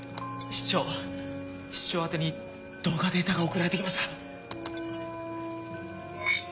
室長宛てに動画データが送られて来ました。